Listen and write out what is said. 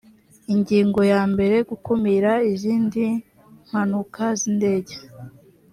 ingingo ya mbere gukumira izindi mpanuka z indege